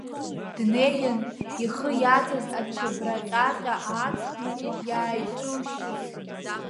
Днеин, ихы иаҵаз ачабра ҟьаҟьа ааҵхны иааиҿылшьит.